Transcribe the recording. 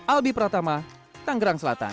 albi pratama tangerang selatan